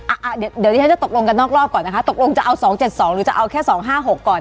อ่ะเดี๋ยวที่ฉันจะตกลงกันนอกรอบก่อนนะคะตกลงจะเอา๒๗๒หรือจะเอาแค่สองห้าหกก่อน